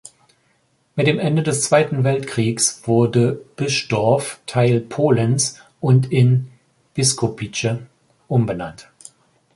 Mit dem Ende des Zweiten Weltkriegs wurde Bischdorf Teil Polens und in "Biskupice" umbenannt.